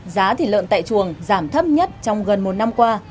giá thịt lợn tại chuồng giảm thấp nhất trong gần một năm qua